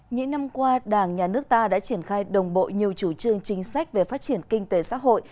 những năm qua đảng nhà nước ta đã triển khai đồng bộ nhiều chủ trương chính sách về phát triển kinh tế xã hội